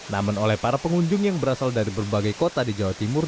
namun oleh para pengunjung yang berasal dari berbagai kota di jawa timur